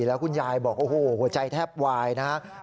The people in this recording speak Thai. แล้วคุณยายบอกโอ้โหหัวใจแทบวายนะครับ